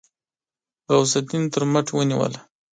غوث الدين تر مټ ونيوله.